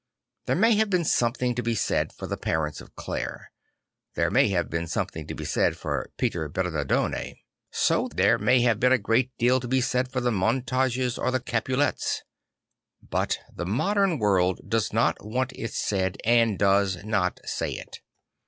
There may have been something to be said for the parents of Clare; there may have been something to be said for Peter Bernardone. So there may have been a great deal to be said for the Montagues or the Capulets; but the modern world does not want it said; and does not say it.